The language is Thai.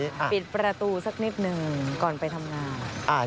ปิดประตูสักนิดหนึ่งก่อนไปทำงาน